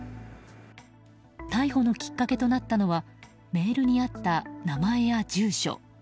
逮捕のきっかけとなったのはメールにあった名前や住所。